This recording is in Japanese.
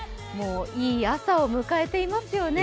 いい朝を迎えていますよね。